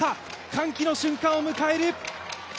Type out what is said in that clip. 歓喜の瞬間を迎える。